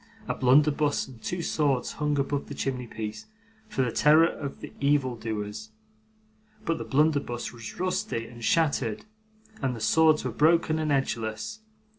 A blunderbuss and two swords hung above the chimney piece, for the terror of evil doers, but the blunderbuss was rusty and shattered, and the swords were broken and edgeless.